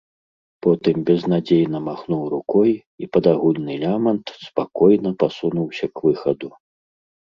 Потым безнадзейна махануў рукой і пад агульны лямант спакойна пасунуўся к выхаду.